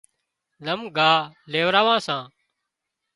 زم ڳاهَه ليوراوان سان